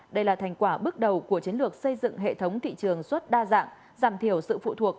đây là thành quả bước đầu của chiến lược xây dựng hệ thống thị trường xuất đa dạng giảm thiểu sự phụ thuộc